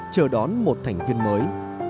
chờ đón một thành viên mới